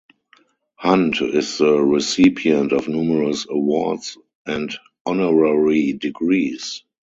Hunt is the recipient of numerous awards and honorary degrees.